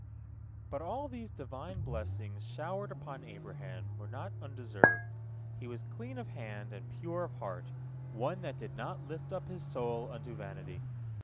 But all these Divine blessings showered upon Abraham were not undeserved. He was clean of hand, and pure of heart, one that did not lift up his soul unto vanity.